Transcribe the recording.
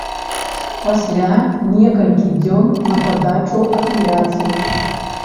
Пасля некалькі дзён на падачу апеляцый.